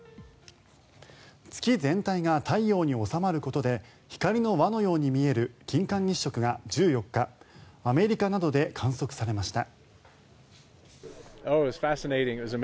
月全体が太陽に収まることで光の輪のように見える金環日食が１４日、アメリカなどで観測されました。